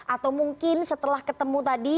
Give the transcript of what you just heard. atau mungkin setelah ketemu tadi